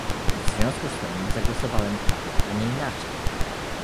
W związku z tym zagłosowałem tak, a nie inaczej